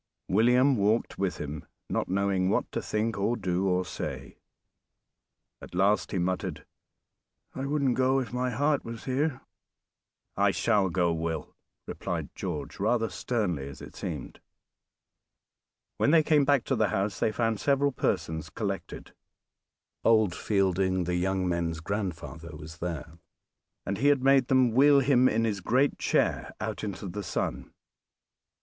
William walked with him, not knowing what to think or do or say; at last he muttered, "I wouldn't go, if my heart was here!" "I shall go, Will," replied George, rather sternly as it seemed. When they came back to the house they found several persons collected. Old Fielding, the young men's grandfather, was there; he had made them wheel him in his great chair out into the sun.